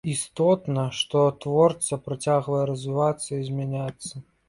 Істотна, што творца працягвае развівацца і змяняцца.